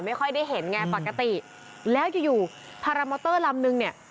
ไม่ค่อยได้เห็นไงปกติแล้วอยู่อยู่พารามอเตอร์ลำนึงเนี่ย